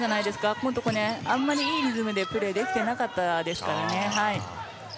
ここのところあんまりいいリズムでプレーできていなかったですからね。